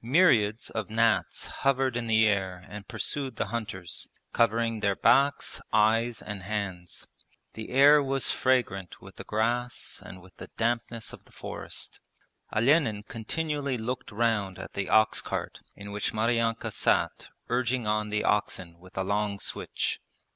Myriads of gnats hovered in the air and pursued the hunters, covering their backs, eyes, and hands. The air was fragrant with the grass and with the dampness of the forest. Olenin continually looked round at the ox cart in which Maryanka sat urging on the oxen with a long switch.